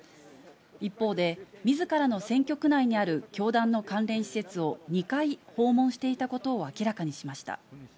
一方で、みずからの選挙区内にある教団の関連施設を２回訪問していたことを明らかにしました。